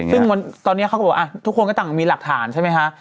ซึ่งตอนนี้เขาก็บอกทุกคนก็ต่างมีหลักฐานใช่ไหมคะ